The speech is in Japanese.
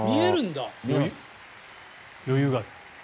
余裕がある？